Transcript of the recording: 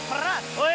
おい。